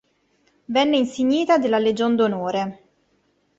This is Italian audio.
Venne insignita della Legion d'onore.